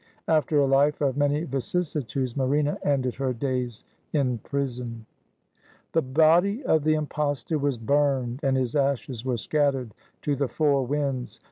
After a life of many vicissitudes, Marina ended her days in prison. 73 RUSSIA The body of the impostor was burned, and his ashes were scattered to the four winds.